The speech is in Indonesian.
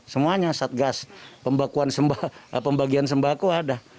semuanya satgas pembagian sembako ada